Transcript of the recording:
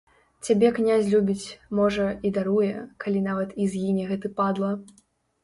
Цябе князь любіць, можа, і даруе, калі нават і згіне гэты падла.